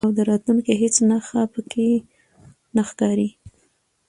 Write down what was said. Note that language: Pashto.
او د راتلو هیڅ نښه به مې نه ښکاري،